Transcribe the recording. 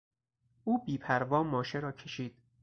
او بیپروا ماشه را کشید.